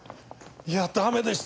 いやダメでした。